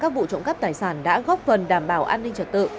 các vụ trộm cắp tài sản đã góp phần đảm bảo an ninh trật tự